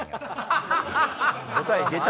答え出た。